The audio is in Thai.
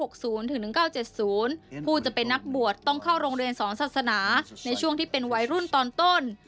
ผู้จะเป็นนักบวชต้องเข้าโรงเรียนสอนศาสนาในช่วงที่เป็นวัยรุ่นตอนต้น